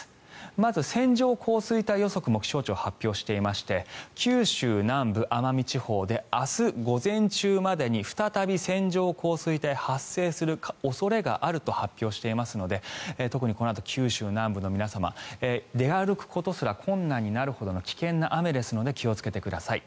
まず、線状降水帯予測も気象庁は発表していまして九州南部、奄美地方で明日午前中までに再び線状降水帯発生する恐れがあると発表していますので特にこのあと、九州南部の皆様出歩くことすら困難になるほどの危険な雨ですので気をつけてください。